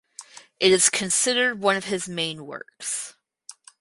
It is considered one of his main works.